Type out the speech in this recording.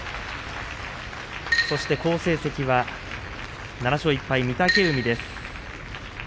そして好成績は７勝１敗、御嶽海です。